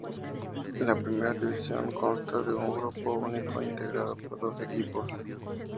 La Primera División consta de un grupo único integrado por doce equipos.